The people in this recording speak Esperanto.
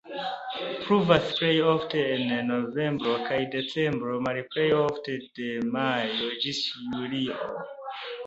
Pluvas plej ofte en novembro kaj decembro, malplej ofte de majo ĝis julio.